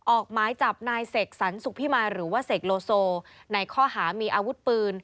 ออกหมายจับนายเสกสรรสุขพิมายหรือว่าเสกโลโซในข้อหามีอาวุธปืน